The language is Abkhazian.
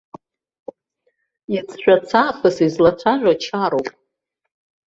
Иацжәац аахыс излацәажәо чароуп.